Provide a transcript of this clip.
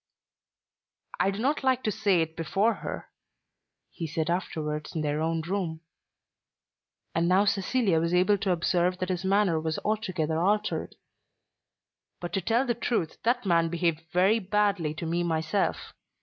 "I did not like to say it before her," he said afterwards in their own room; and now Cecilia was able to observe that his manner was altogether altered, "but to tell the truth that man behaved very badly to me myself.